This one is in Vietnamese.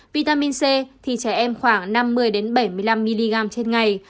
vitamin c thì trẻ em khoảng năm mươi bảy mươi năm mg trên ngày